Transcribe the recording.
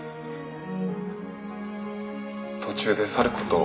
途中で去ることを。